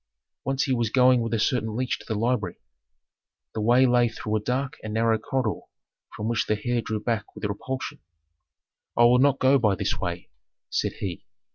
Once he was going with a certain leech to the library. The way lay through a dark and narrow corridor from which the heir drew back with repulsion. "I will not go by this way," said he.